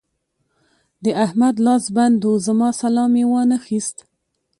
د احمد لاس بند وو؛ زما سلام يې وانخيست.